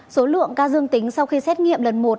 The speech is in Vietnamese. số lượng ca dương tính sau khi xét nghiệm lần một